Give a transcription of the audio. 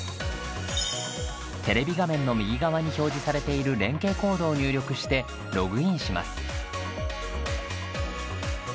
テレビ画面の右側に表示されている連携コードを入力してログインします。